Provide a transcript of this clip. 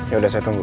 yaudah saya tunggu